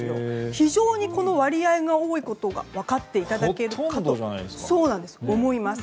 非常にこの割合が多いことが分かっていただけるかと思います。